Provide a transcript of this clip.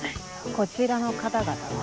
こちらの方々は？